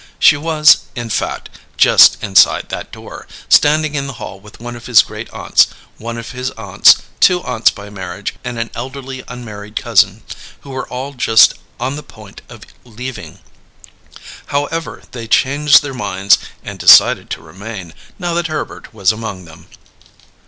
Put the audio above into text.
She was, in fact, just inside that door, standing in the hall with one of his great aunts, one of his aunts, two aunts by marriage, and an elderly unmarried cousin, who were all just on the point of leaving. However, they changed their minds and decided to remain, now that Herbert was among them.